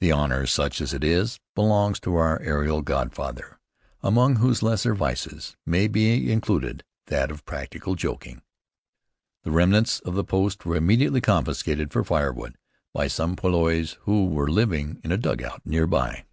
The honor, such as it is, belongs to our aerial godfather, among whose lesser vices may be included that of practical joking. The remnants of the post were immediately confiscated for firewood by some poilus who were living in a dugout near by.